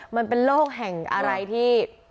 มันเป็นโลกแห่งอะไรที่